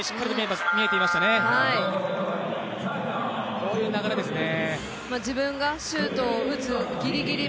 こういう流れですね。